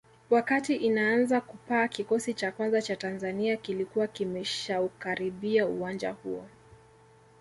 Wakati inaanza kupaa kikosi cha kwanza cha Tanzania kilikuwa kimeshaukaribia uwanja huo